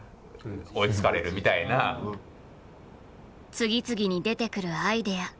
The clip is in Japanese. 次々に出てくるアイデア。